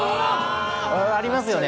ありますよね。